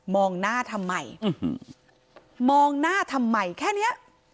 หน้าทำไมมองหน้าทำไมแค่เนี้ย